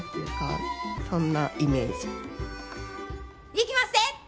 いきまっせ！